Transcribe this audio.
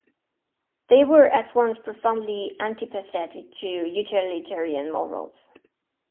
They were at once profoundly antipathetic to utilitarian morals.